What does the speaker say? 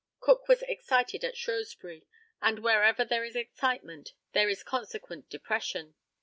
Cook was excited at Shrewsbury, and wherever there is excitement there is consequent depression.